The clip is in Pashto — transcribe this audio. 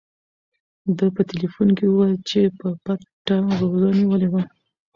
ده په ټیلیفون کې وویل چې په پټه روژه نیولې وه.